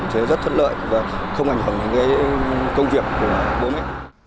thì rất thuận lợi và không ảnh hưởng đến cái công việc của bố mẹ